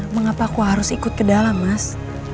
mengapa aku harus ikut ke dalam mas